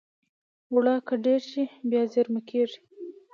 اوړه که ډېر شي، بیا زېرمه کېږي